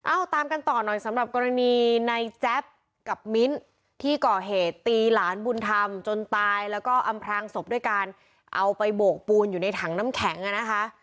เอาตามกันต่อหน่อยสำหรับกรณีในแจ๊บกับมิ้นที่ก่อเหตุตีหลานบุญธรรมจนตายแล้วก็อำพรางศพด้วยการเอาไปโบกปูนอยู่ในถังน้ำแข็งอ่ะนะคะ